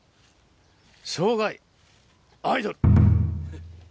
生涯アイドル。